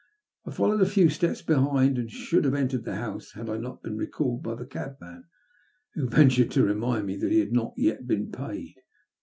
I followed a few steps behind, and should have entered the house had I not been recalled by the cabman, who ventured to remind me that he had not yet been paid.